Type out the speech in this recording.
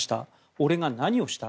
俺が何をした？